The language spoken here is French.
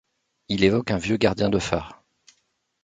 Il évoque un vieux gardien de phare.